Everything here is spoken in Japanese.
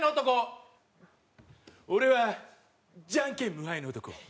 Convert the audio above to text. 俺はジャンケン無敗の男。